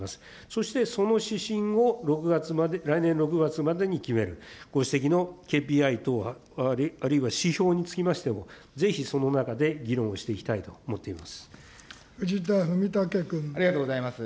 そして、その指針を来年６月までに決める、ご指摘のＫＰＩ等、あるいは指標につきましても、ぜひその中で議論をしていきたいと思っています。